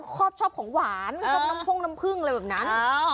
ชอบชอบของหวานชอบน้ำพ่งน้ำผึ้งอะไรแบบนั้น